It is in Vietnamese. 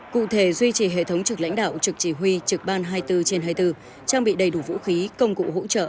cụ thể duy trì hệ thống trực lãnh đạo trực chỉ huy trực ban hai mươi bốn trên hai mươi bốn trang bị đầy đủ vũ khí công cụ hỗ trợ